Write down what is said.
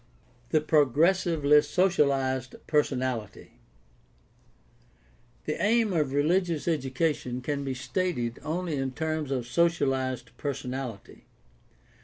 The progressively socialized personality. — The aim of religious education can be stated only in terms of socialized personahty.